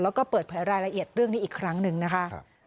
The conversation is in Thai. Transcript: แล้วก็เปิดเผยรายละเอียดเรื่องนี้อีกครั้งหนึ่งนะคะ